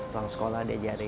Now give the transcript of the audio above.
pulang sekolah diajarin